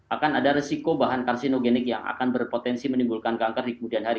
akan ada resiko bahan karsinogenik yang akan berpotensi menimbulkan kanker di kemudian hari